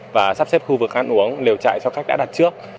và sắp xếp khu vực ăn uống liều chạy cho khách đã đặt trước